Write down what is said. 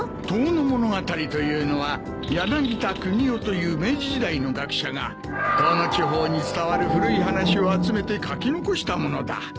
『遠野物語』というのは柳田國男という明治時代の学者が遠野地方に伝わる古い話を集めて書き残したものだ。